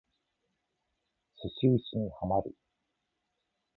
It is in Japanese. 寿司打にハマる